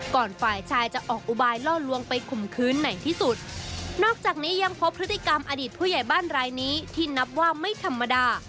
ฝ่ายชายจะออกอุบายล่อลวงไปข่มคืนไหนที่สุดนอกจากนี้ยังพบพฤติกรรมอดีตผู้ใหญ่บ้านรายนี้ที่นับว่าไม่ธรรมดา